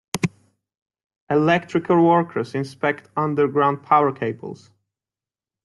Electrical workers inspect underground power cables.